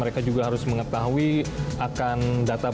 mereka harus mengetahui akan database sebagai tempat menyimpan datanya